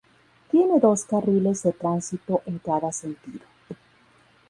Tiene dos carriles de tránsito en cada sentido.